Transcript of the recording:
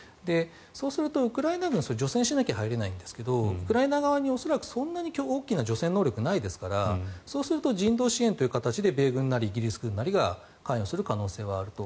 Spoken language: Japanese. そうするとウクライナ軍は除染しないと入れないんですがウクライナ側に恐らくそんなに大きな除染能力はないですからそうすると人道支援という形で米軍なりイギリス軍が関与する可能性はあると。